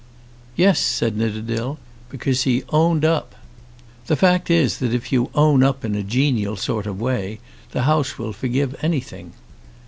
"Yes," said Nidderdale, "because he 'owned up.' The fact is if you 'own up' in a genial sort of way the House will forgive anything.